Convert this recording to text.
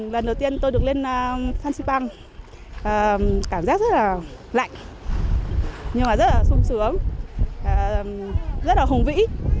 lần đầu tiên tôi được lên phan xipang cảm giác rất là lạnh nhưng mà rất là sung sướng rất là hùng vĩ